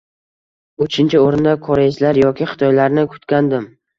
Uchinchi o‘rinda koreyslar yoki xitoylarni kutgandim.